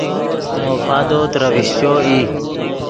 مو پادو ترے ڤیشچو ای